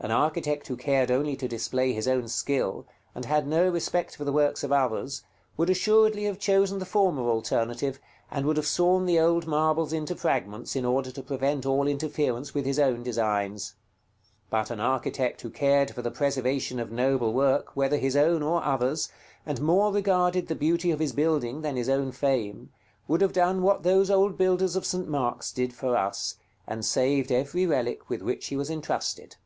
An architect who cared only to display his own skill, and had no respect for the works of others, would assuredly have chosen the former alternative, and would have sawn the old marbles into fragments in order to prevent all interference with his own designs. But an architect who cared for the preservation of noble work, whether his own or others', and more regarded the beauty of his building than his own fame, would have done what those old builders of St. Mark's did for us, and saved every relic with which he was entrusted.